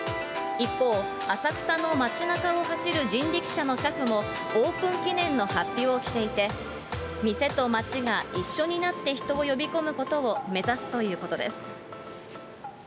一方、浅草の街なかを走る人力車の車夫も、オープン記念のはっぴを着ていて、店と街が一緒になって人を呼び込むことを目指すということです。